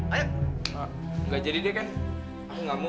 ayo enggak jadi deh kan aku enggak mau